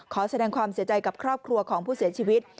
ขอแสดงความเสียใจกับครอบครัวของผู้เสียชีวิต